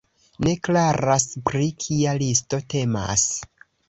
Ne klaras, pri kia listo temas.